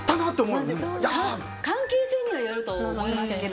関係性によると思いますが。